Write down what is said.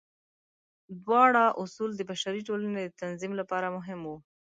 دواړه اصول د بشري ټولنې د تنظیم لپاره مهم وو.